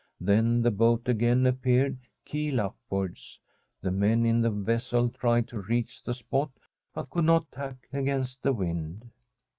Then the boat " again appeared, keel upwards. The men in the vessel tried to reach the spot, but could not tack against the wind.